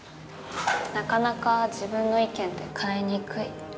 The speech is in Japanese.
なかなか自分の意見って変えにくい。